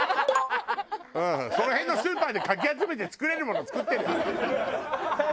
その辺のスーパーでかき集めて作れるもの作ってるよ。